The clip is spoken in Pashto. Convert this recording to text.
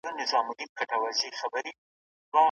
ذهن تر اوسه بشپړ نه دی پېژندل شوی.